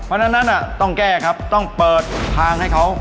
เพราะฉะนั้นต้องแก้ครับต้องเปิดทางให้เขา